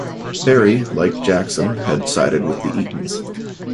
Barry, like Jackson, had sided with the Eatons.